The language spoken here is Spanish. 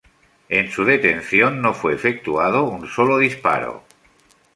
En su detención no fue efectuado un sólo disparo.